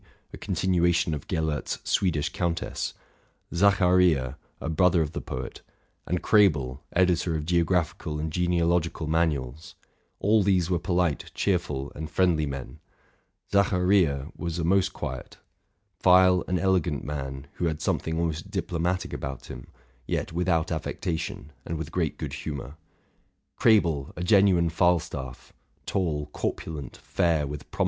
'' a continuation of Gellert's '* Swedish Countess ; Zacharia, a brother of the poet; and Krebel, editor of geo oraphical and genealogical manuals, — all these were polite, cheerful, and friendly men. Zacharia was the most quiet ; Pfeil, an elegant raan, who had something almost diplomatic about him, yet without affectation, and with great good humor ; Krebel, a genuine Falstaff, tall, corpulent, fair, "with prom a) Trahan :| J q AY et Net SMe fr AGE RELATING TO MY LIFE.